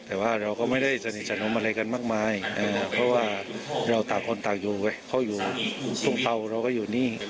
แต่ว่าเราก็ไม่ได้สนิทสนมอะไรกันมากมายเพราะว่าเราต่างคนต่างอยู่เขาอยู่ทุ่งเตาเราก็อยู่นี่